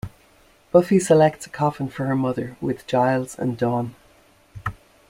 Buffy selects a coffin for her mother with Giles and Dawn.